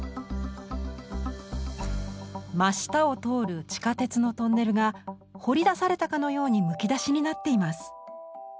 真下を通る地下鉄のトンネルが掘り出されたかのようにむき出しになっています。